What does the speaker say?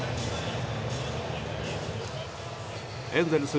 エンゼルス